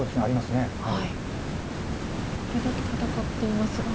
これだけ戦っていますが。